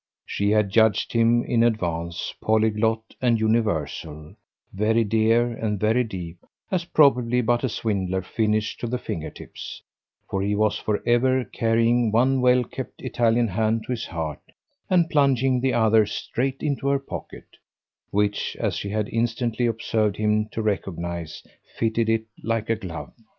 She had judged him in advance polyglot and universal, very dear and very deep as probably but a swindler finished to the finger tips; for he was for ever carrying one well kept Italian hand to his heart and plunging the other straight into her pocket, which, as she had instantly observed him to recognise, fitted it like a glove.